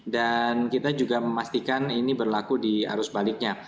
dan kita juga memastikan ini berlaku di arus baliknya